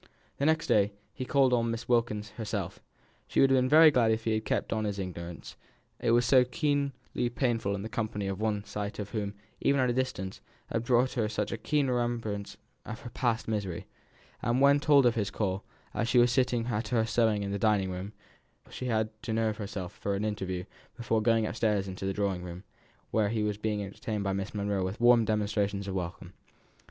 The next day he called on Miss Wilkins herself. She would have been very glad if he had kept on in his ignorance; it was so keenly painful to be in the company of one the sight of whom, even at a distance, had brought her such a keen remembrance of past misery; and when told of his call, as she was sitting at her sewing in the dining room, she had to nerve herself for the interview before going upstairs into the drawing room, where he was being entertained by Miss Monro with warm demonstrations of welcome.